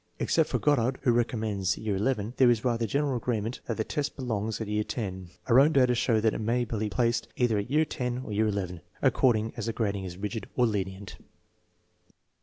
Except for Goddard, who recom mends year XI, there is rather general agreement that the test belongs at year X. Our own data show that it may be placed either at year X or year XI, according as the grading is rigid or lenient.